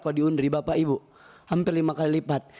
kalau di underi bapak ibu hampir lima kali lipat